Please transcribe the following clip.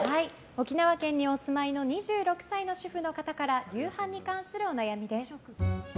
沖縄県にお住まいの２６歳の主婦の方から夕飯に関するお悩みです。